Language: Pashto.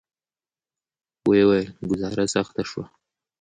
ویې ویل: ګوزاره سخته شوه.